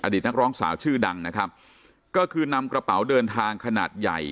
นักร้องสาวชื่อดังนะครับก็คือนำกระเป๋าเดินทางขนาดใหญ่